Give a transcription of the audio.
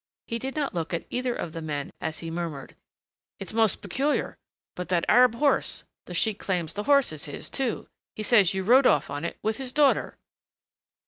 He did not look at either of the men as he murmured, "It's most peculiar, but that Arab horse the sheik claims the horse is his, too. He says you rode off on it, with his daughter."